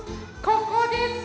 ここです！